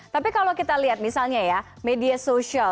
tapi kalau kita lihat misalnya ya media sosial